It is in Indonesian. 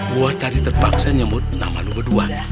gue tadi terpaksa nyemut nama lu berdua